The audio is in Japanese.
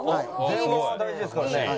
いいですね。